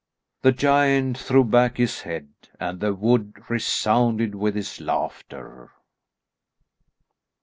The giant threw back his head and the wood resounded with his laughter.